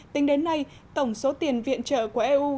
tính đến nay tổng số tiền viện trợ của eu